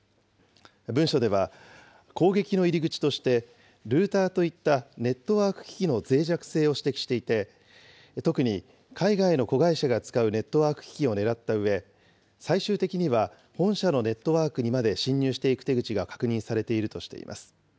文書では、攻撃の入り口としてルーターといったネットワーク機器のぜい弱性を指摘していて、特に海外の子会社が使うネットワーク機器を狙ったうえ、最終的には本社のネットワークにまで侵入していく手口が確認されているとしています。